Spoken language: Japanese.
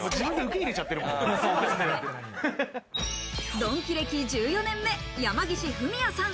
ドンキ歴１４年目、山岸史弥さん。